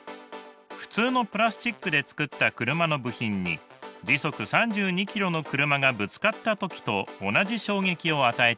普通のプラスチックで作った車の部品に時速３２ｋｍの車がぶつかった時と同じ衝撃を与えてみます。